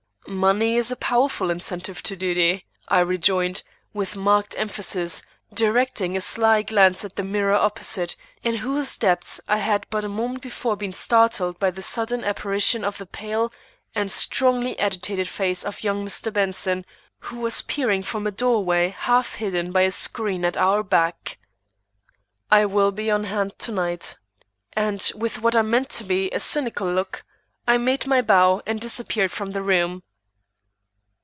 "Money is a powerful incentive to duty," I rejoined, with marked emphasis, directing a sly glance at the mirror opposite, in whose depths I had but a moment before been startled by the sudden apparition of the pale and strongly agitated face of young Mr. Benson, who was peering from a door way half hidden by a screen at our back. "I will be on hand to night." And with what I meant to be a cynical look, I made my bow and disappeared from the room.